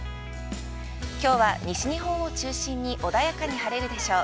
きょうは、西日本を中心に穏やかに晴れるでしょう。